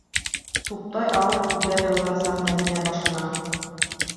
Туптай ауыр һүҙҙәр яуҙырасаҡ Мәҙинә башына!